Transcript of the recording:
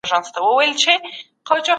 حکومت باید د دوی مقبري بیا ورغوي.